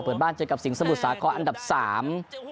เปิดบ้านเจอกับสิงสมุทรสาครอันดับสาม